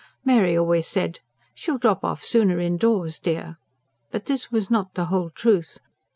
Mary always said: "She'll drop off sooner indoors, dear." But this was not the whole truth.